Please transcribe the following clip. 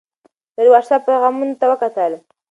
ده د وټس اپ پیغامونو ته وکتل.